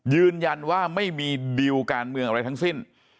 ยืนยันว่าไม่มีดิวการเมืองอะไรทั้งสิ้น